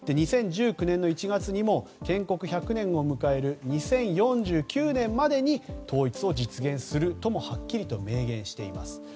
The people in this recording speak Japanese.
２０１９年の１月にも建国１００年を迎える２０４９年までに統一を実現するともはっきりと明言しています。